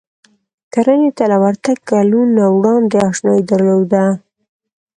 کرنې ته له ورتګ کلونه وړاندې اشنايي درلوده.